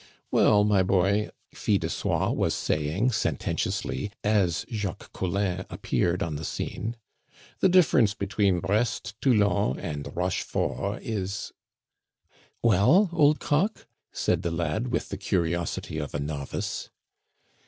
"Well, my boy," Fil de Soie was saying sententiously as Jacques Collin appeared on the scene, "the difference between Brest, Toulon, and Rochefort is " "Well, old cock?" said the lad, with the curiosity of a novice.